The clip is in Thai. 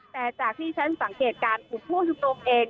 แต่จากที่ฉันสังเกตการณ์กลุ่มผู้ชุมนุมเอง